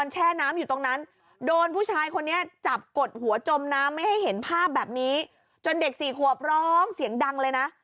จมน้ำไม่ให้เห็นภาพแบบนี้จนเด็กสี่ขวบร้องเสียงดังเลยน่ะ